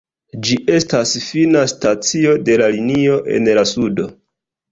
Ĝi estas fina stacio de la linio en la sudo.